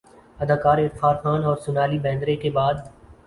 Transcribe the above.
اداکار عرفان خان اورسونالی بیندرے کے بعد